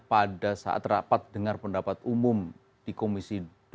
pada saat rapat dengar pendapat umum di komisi dua